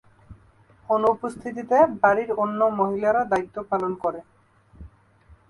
অনুপস্থিতিতে বাড়ির অন্য মহিলারা দায়িত্ব পালন করে।